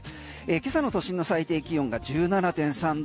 今朝の都心の最低気温が１７．３度。